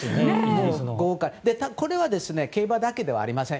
これは競馬だけではありません。